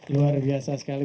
luar biasa sekali